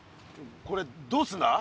これどうするんだ？